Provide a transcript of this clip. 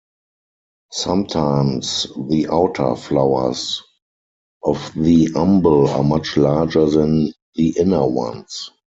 Sometimes the outer flowers of the umbel are much larger than the inner ones.